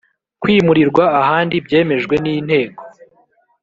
Kwimurirwa ahandi byemejwe n inteko